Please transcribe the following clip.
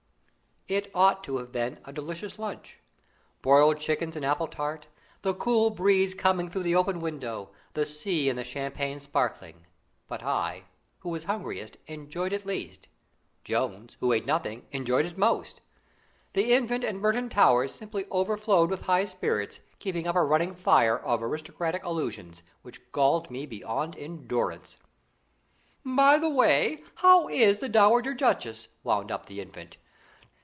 It ought to have been a delicious lunch: broiled chickens and apple tart; the cool breeze coming through the open window, the sea and the champagne sparkling. But I, who was hungriest, enjoyed it least; Jones, who ate nothing, enjoyed it most. The Infant and Merton Towers simply overflowed with high spirits, keeping up a running fire of aristocratic allusions, which galled me beyond endurance. "By the way, how is the dowager duchess?" wound up the Infant.